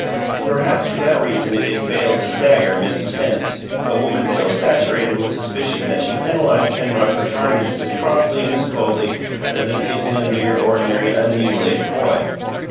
Perhaps for that reason it failed to stagger Miss Spence, a woman so saturated with suspicion that she penalized Penrod for tardiness as promptly and as coldly as if he had been a mere, ordinary, unmutilated boy.